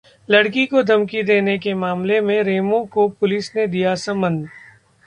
लड़की को धमकी देने के मामले में रेमो को पुलिस ने दिया समन